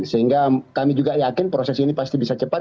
sehingga kami juga yakin proses ini pasti bisa cepat